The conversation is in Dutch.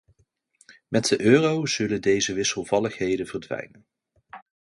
Met de euro zullen deze wisselvalligheden verdwijnen.